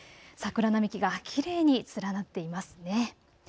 桜並木がきれいに連なっていますね。